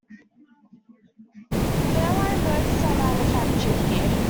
Fairline Boats are manufactured here.